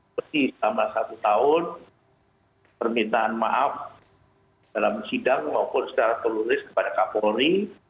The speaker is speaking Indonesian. seperti selama satu tahun permintaan maaf dalam sidang maupun secara terluris kepada kapolri